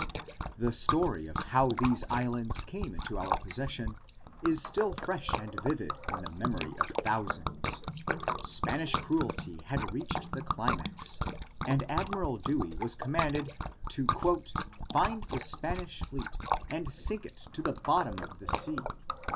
The story of how these islands came into our possession is still fresh and vivid in the memory of thousands. Spanish cruelty had reached the climax and Admiral Dewey was commanded to "find the Spanish fleet and sink it to the bottom of the sea."